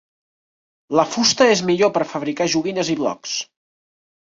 La fusta és millor per fabricar joguines i blocs.